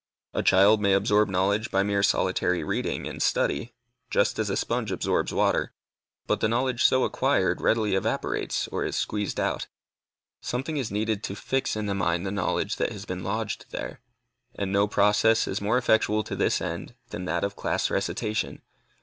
A child may absorb knowledge by mere solitary reading and study, just as a sponge absorbs water, but the knowledge so acquired readily evaporates, or is squeezed out. Something is needed to fix in the mind the knowledge that has been lodged there, and no process is more effectual to this end than that of class recitation.